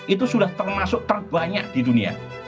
itu sudah termasuk terbanyak di dunia